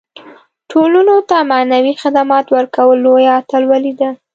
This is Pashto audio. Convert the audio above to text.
ټولنو ته معنوي خدمات ورکول لویه اتلولي ده.